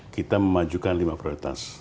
kita memajukan lima prioritas